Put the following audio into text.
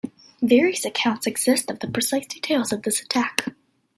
Various accounts exist of the precise details of this attack.